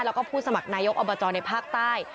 แล้วก็ผู้สมัครนายกอบจในภาคใต้